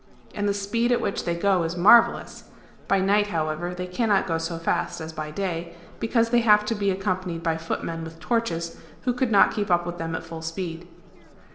And the speed at which they go is marvellous. (By night, however, they cannot go so fast as by day, because they have to be accompanied by footmen with torches, who could not keep up with them at full speed.)